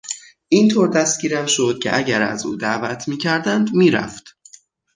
این طور دستگیرم شد که اگر از او دعوت میکردند میرفت.